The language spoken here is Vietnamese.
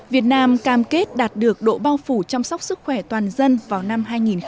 việt nam cam kết đạt được độ bao phủ chăm sóc sức khỏe toàn dân vào năm hai nghìn ba mươi